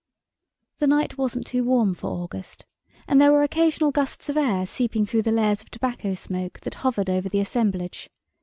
The night wasn't too warm for August, and there were occasional gusts of air seeping through the layers of tobacco smoke that hovered over the assemblage.